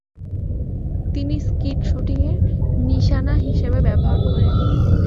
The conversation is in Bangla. তিনি স্কিট শুটিংয়ের নিশানা হিসেবে ব্যবহার করেন।